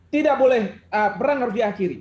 tidak boleh perang harus diakhiri